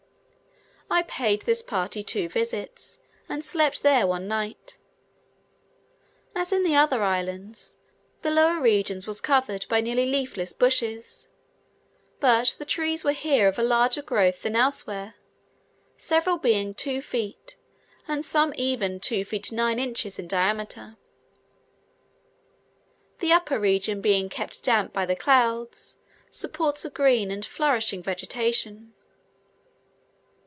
I paid this party two visits, and slept there one night. As in the other islands, the lower region was covered by nearly leafless bushes, but the trees were here of a larger growth than elsewhere, several being two feet and some even two feet nine inches in diameter. The upper region being kept damp by the clouds, supports a green and flourishing vegetation.